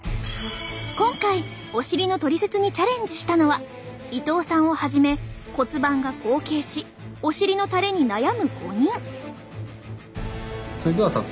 今回お尻のトリセツにチャレンジしたのは伊藤さんをはじめ骨盤が後傾しお尻のたれに悩む５人。